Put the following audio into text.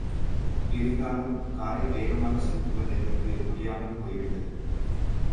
இருந்தாலும், காரை வேகமாகச் செலுத்துவதென்பது முடியாமற் போப்விட்டது.